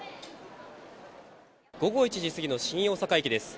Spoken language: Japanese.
午後１時過ぎの新大阪駅です。